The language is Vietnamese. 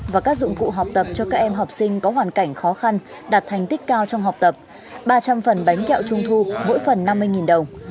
và các dụng cụ học tập cho các em học sinh có hoàn cảnh khó khăn đạt thành tích cao trong học tập ba trăm linh phần bánh kẹo trung thu mỗi phần năm mươi đồng